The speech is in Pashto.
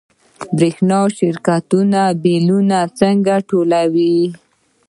د برښنا شرکت بیلونه څنګه ټولوي؟